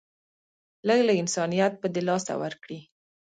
لږ لږ انسانيت به د لاسه ورکړي